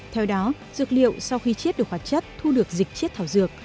theo đó dược liệu sau khi chiết được hoạt chất thu được dịch chiết thảo dược